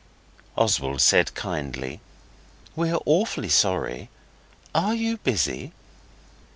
Oswald said kindly, 'We're awfully sorry. Are you busy?